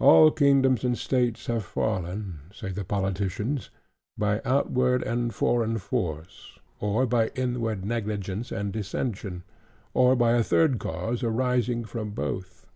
All kingdoms and states have fallen (say the politicians) by outward and foreign force, or by inward negligence and dissension, or by a third cause arising from both.